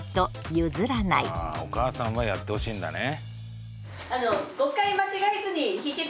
お母さんはやってほしいんだね。